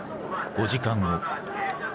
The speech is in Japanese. ５時間後。